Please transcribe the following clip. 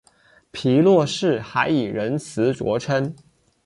皮洛士还以仁慈着称。